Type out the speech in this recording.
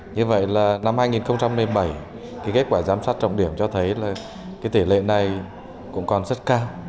như vậy là năm hai nghìn một mươi bảy kết quả giám sát trọng điểm cho thấy là cái tỷ lệ này cũng còn rất cao